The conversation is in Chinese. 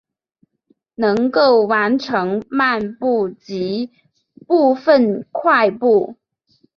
能够完成漫步及部份快步。